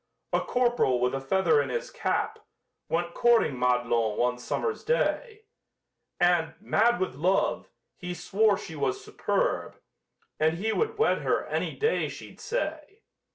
A corp'ral with a feather in his cap Went courting Madelon one summer's day, And, mad with love, he swore she was superb, And he would wed her any day she'd say.